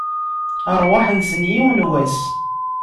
Rrwaḥ-nsen, yiwen n wass!